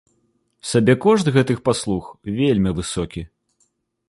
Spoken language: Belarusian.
Сабекошт гэтых паслуг вельмі высокі.